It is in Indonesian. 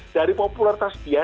dari populeritas dia